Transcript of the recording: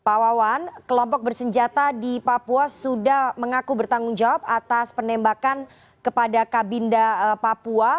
pak wawan kelompok bersenjata di papua sudah mengaku bertanggung jawab atas penembakan kepada kabinda papua